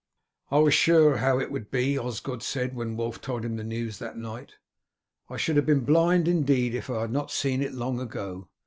"I was sure how it would be," Osgod said when Wulf told him the news that night. "I should have been blind indeed if I had not seen it long ago.